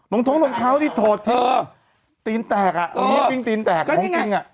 ลงท้องท้องเท้าที่ถดเออตีนแตกอ่ะเออตีนแตกเออแล้วก็ยังไง